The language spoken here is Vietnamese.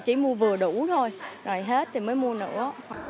chỉ mua vừa đủ thôi rồi hết thì mới mua nữa